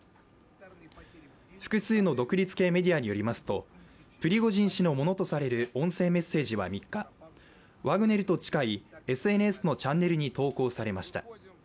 複数の独立系メディアによりますと、プリゴジン氏のものとされる音声メッセージは３日、ワグネルと近いＳＮＳのチャンネルに投稿されました。